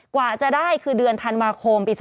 กว่าจะได้คือเดือนธันวาคมปี๒๕๖